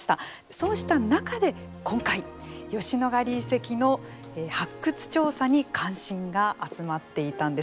そうした中で、今回吉野ヶ里遺跡の発掘調査に関心が集まっていたんです。